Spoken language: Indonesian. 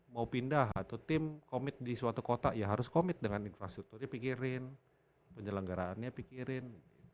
mau pindah atau tim komit di suatu kota ya harus komit dengan infrastrukturnya pikirin penyelenggaraannya pikirin